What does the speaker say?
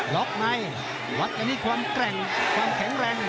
ล็อกไหมวัดจะมีความแกร่งความแข็งแรง